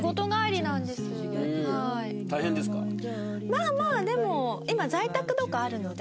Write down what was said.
まあまあでも。